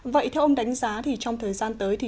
vậy theo ông đánh giá trong thời gian tới